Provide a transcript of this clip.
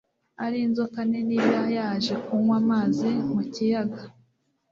ari inzoka nini iba yaje kunywa amazi mu kiyaga